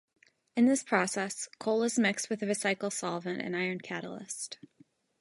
In this process, coal is mixed with a recycle solvent and iron catalyst.